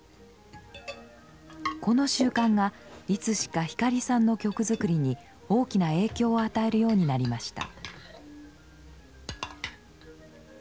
この習慣がいつしか光さんの曲作りに大きな影響を与えるようになりました。